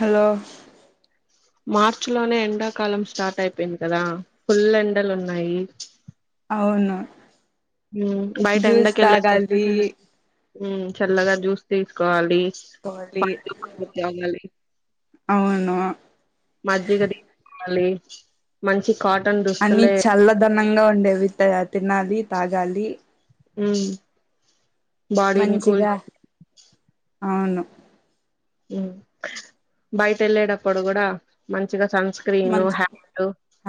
Hello March లోనే ఎండాకాలం start అయిపోయింది. కదా ఫుల్ ఎండలున్నాయి. అవును ఉమ్ బయట జ్యూస్ ఎండకెళ్ళేసి వస్తే తాగాలి మ్ చల్లగా జ్యూస్ తీసుకోవాలి. కోవాలి పండ్లు బాగా తాగాలి. అవును మజ్జిగ తీసుకోవాలి మంచి కాటన్ అని దుస్తులే చల్లదనంగా ఉండేవి త తినాలి తాగాలి. ఉమ్ బాడీ ని కుల్ మంచిగా బే అవును మ్ బయట వెళ్ళేటప్పుడు కూడా మంచిగా సన్ స్క్రీన్ మంచిగా హ్యాట్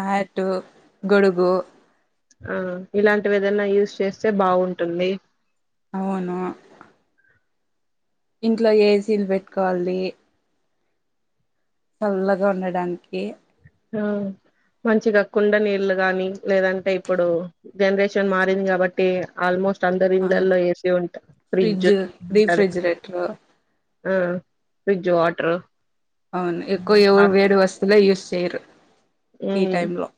హాటు గొడుగు ఆ ఇలాంటివేదైనా యూజ్ చేస్తే బాగుంటుంది. అవును ఇంట్లో ఏసీలు పెట్టుకోవాలి. చల్లగా ఉండడానికి ఆ మంచిగా కుండ నీళ్లు గానీ లేదంటే ఇప్పుడు జనరేషన్ మారింది కాబట్టి ఆల్మోస్ట్ తందరి ఆ ఇండ్లల్లో ఏసీ ఉంటాది ఫ్రిడ్జ్ ఉంటది. ఉమ్ ఫ్రిడ్జ్ వాటరు అవును ఎక్కువ ఎవరు వేడి వస్తువులే యూస్ చేయరు. ఈ ఉమ్ టైమ్ లో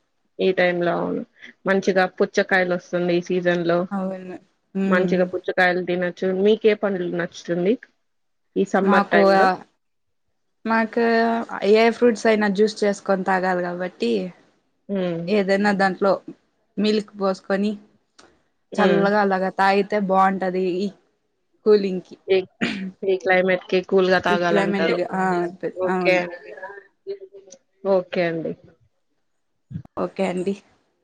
ఈ టైం లో అవును మంచిగా పుచ్చకాయలు వస్తుంది. సీజన్ లో అవును ఉమ్ మంచిగా పుచ్చకాయలు తిన మీకే పండ్లు నచ్చుతుంది. ఈ సమ్మర్ మాకు టైమ్ లో ఆ మాకు ఏ ఫ్రూట్స్ తైన జ్యూస్ చేసుకొని తాగాలి కాబట్టి ఉమ్ ఏదైనా దాంట్లో మిల్క్ పోసుకొని ఉమ్ చల్లగా అలాగా తాగీతే బాగుంటది కూలింగ్ కి ఇ ఇ క్లైమేట్ కి కూల్ గా రిక్లైమెంట్ తాగాలంటారు కి ఆ ఓకే అవును ఓకే అండి ఓకే అండి